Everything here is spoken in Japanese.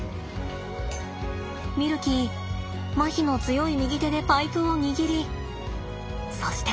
ミルキーまひの強い右手でパイプを握りそして。